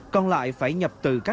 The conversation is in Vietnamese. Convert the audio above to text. còn lại phải nhập từ các địa phương khác